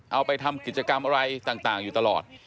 เอาไปทำกิจกรรมอะไรต่างอยู่ตลอด